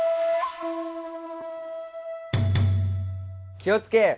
気を付け！